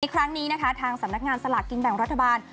ครั้งนี้นะคะทางสำนักงานสลากกินแบ่งรัฐบาล